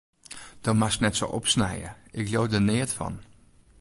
Do moatst net sa opsnije, ik leau der neat fan.